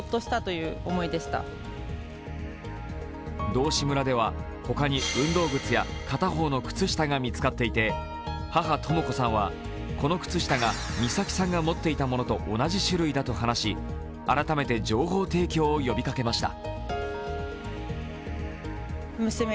道志村では、他に運動靴や片方の靴下が見つかっていて母・とも子さんはこの靴下が美咲さんが持っていたものと同じ種類だと話し、改めて情報提供を呼びかけました。